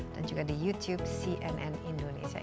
dan juga di youtube cnn indonesia